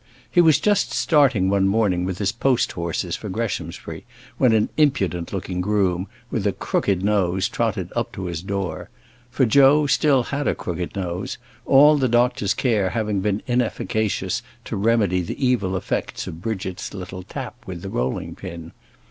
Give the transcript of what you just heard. He was just starting one morning with his post horses for Greshamsbury, when an impudent looking groom, with a crooked nose, trotted up to his door. For Joe still had a crooked nose, all the doctor's care having been inefficacious to remedy the evil effects of Bridget's little tap with the rolling pin.